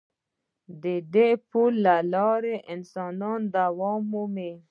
د دې پل له لارې انسان دوام مومي.